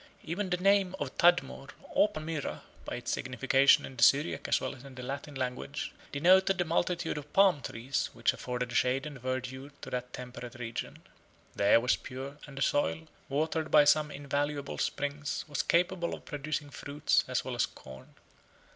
Even the name of Tadmor, or Palmyra, by its signification in the Syriac as well as in the Latin language, denoted the multitude of palm trees which afforded shade and verdure to that temperate region. The air was pure, and the soil, watered by some invaluable springs, was capable of producing fruits as well as corn.